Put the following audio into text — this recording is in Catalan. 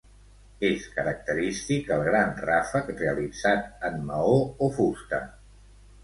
És característic el gran ràfec realitzat en maó o fusta.